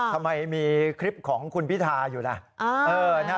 ทำไมมีคลิปของคุณพิธาอยู่ล่ะ